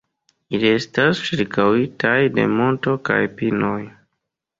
Ili estas ĉirkaŭitaj de monto kaj pinoj.